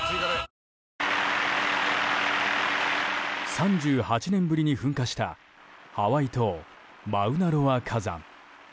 ３８年ぶりに噴火したハワイ島マウナロア火山。